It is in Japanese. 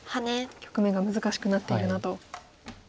局面が難しくなっているなと。